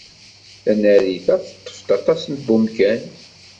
Tanarit-a teṭṭef-d aṭas n wemkan.